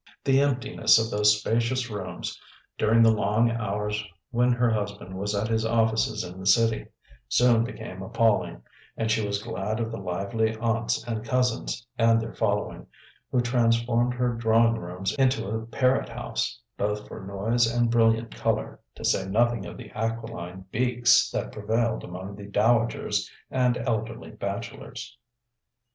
The emptiness of those spacious rooms, during the long hours when her husband was at his offices in the City, soon became appalling; and she was glad of the lively aunts and cousins, and their following, who transformed her drawing rooms into a parrot house, both for noise and brilliant colour, to say nothing of the aquiline beaks that prevailed among the dowagers and elderly bachelors.